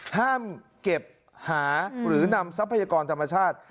ห้ามเก็บหาหรือนำทรัพยากรธรรมชาติ